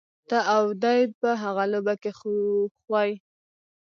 ته او دی په هغه لوبه کي خو خوئ.